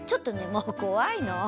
もう怖いの。